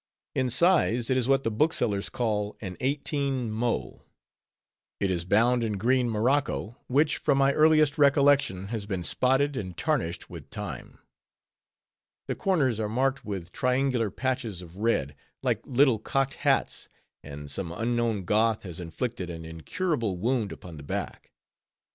In size, it is what the booksellers call an 18mo; it is bound in green morocco, which from my earliest recollection has been spotted and tarnished with time; the corners are marked with triangular patches of red, like little cocked hats; and some unknown Goth has inflicted an incurable wound upon the back.